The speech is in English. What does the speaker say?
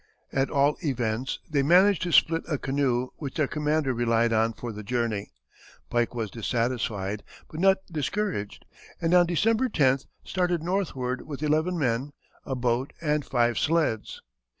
At all events, they managed to split a canoe which their commander relied on for the journey. Pike was dissatisfied, but not discouraged, and on December 10th started northward with eleven men, a boat, and five sleds.